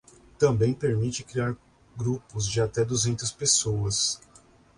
Também permite criar grupos de até duzentas pessoas.